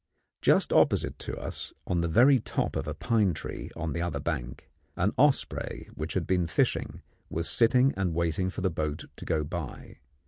Just opposite to us, on the very top of a pine tree on the other bank, an osprey which had been fishing was sitting and waiting for the boat to go by.